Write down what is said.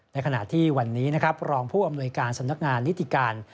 ขณะที่วันนี้นะครับรองผู้อำนวยการสำนักงานนิติการ